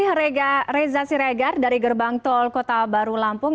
terima kasih reza siregar dari gerbang tol kota baru lampung